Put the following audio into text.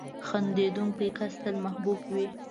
• خندېدونکی کس تل محبوب وي.